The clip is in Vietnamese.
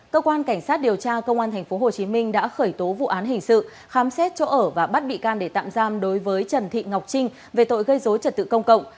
cơ quan cảnh sát điều tra công an tp hcm đã khởi tố vụ án hình sự khám xét chỗ ở và bắt bị can để tạm giam đối với trần thị ngọc trinh về tội gây dối trật tự công cộng